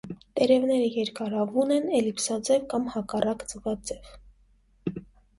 Տերևները երկարավուն են, էլիպսաձև կամ հակառակ ձվաձև։